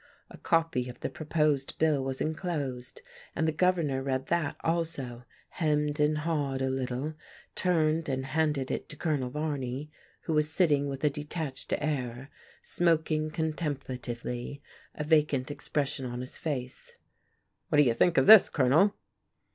A copy of the proposed bill was enclosed, and the Governor read that also, hemmed and hawed a little, turned and handed it to Colonel Varney, who was sitting with a detached air, smoking contemplatively, a vacant expression on his face. "What do you think of this, Colonel?"